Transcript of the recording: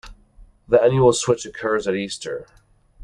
The annual switch occurs at Easter.